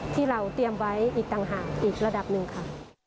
ที่เราเตรียมไว้อีกต่างหากอีกระดับหนึ่งค่ะ